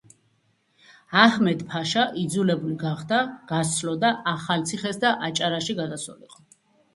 აჰმედ-ფაშა იძულებული გახდა გასცლოდა ახალციხეს და აჭარაში გადასულიყო.